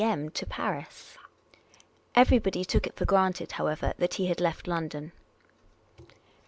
m. to Paris. Everybody took it for granted, however, that he had left London.